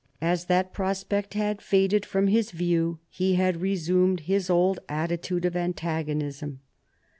As that prospect nad faded from his view, he had re sumed his old attitude of antagonism.